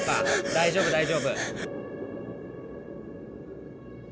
大丈夫大丈夫。